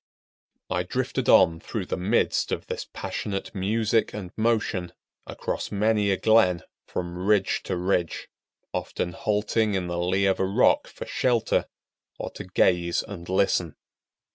I drifted on through the midst of this passionate music and motion, across many a glen, from ridge to ridge; often halting in the lee of a rock for shelter, or to gaze and listen.